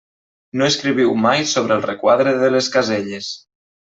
No escriviu mai sobre el requadre de les caselles.